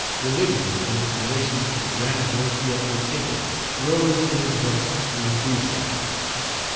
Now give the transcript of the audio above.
Religion, in its relation to the grand work he had undertaken, rose in his breast to enthusiasm.